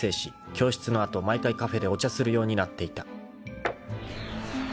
［教室の後毎回カフェでお茶するようになっていた］